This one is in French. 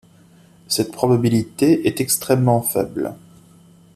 Cette probabilité est extrêmement faible.